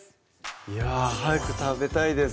いやぁ早く食べたいです